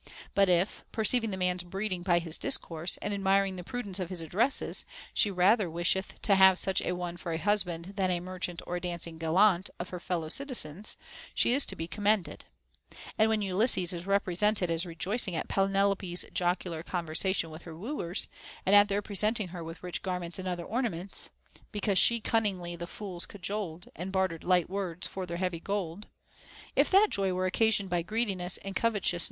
But if, perceiving the man's breeding by his discourse, and admiring the prudence of his addresses, she rather wisheth to have such a one for a husband than a merchant or a dancing gallant of her fellow citizens, she is to be com mended. And when Ulysses is represented as rejoicing at Penelope's jocular conversation with her wooers, and at their presenting her with rich garments and other orna ments, Because she cunningly the fools cajoled, And bartered light words for their heavy gold ; t if that joy were occasioned by greediness and covetous * Odyss. VI. 251. t Odyss. XVIII. 282. TO HEAR POEMS.